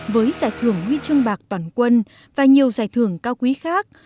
với giải thưởng huy chương bạc toàn quân và nhiều giải thưởng cao quý khác